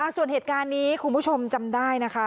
ส่วนเหตุการณ์นี้คุณผู้ชมจำได้นะคะ